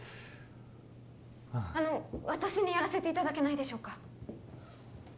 あの私にやらせていただけないでしょうか？